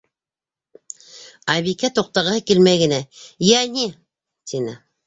Айбикә туҡтағыһы килмәй генә: - Йә, ни? - тине.